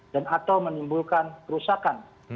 dan atau menimbulkan kerusakan